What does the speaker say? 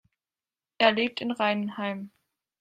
Er lebt in Reinheim.